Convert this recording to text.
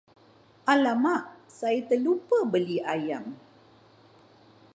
Alamak, saya terlupa beli ayam!